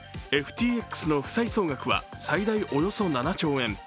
ＦＴＸの負債総額は、最大およそ７兆円。